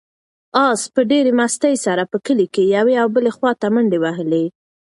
آس په ډېرې مستۍ سره په کلي کې یوې او بلې خواته منډې وهلې.